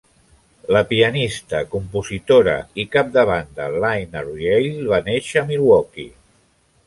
La pianista, compositora i cap de banda Lynne Arriale va néixer a Milwaukee.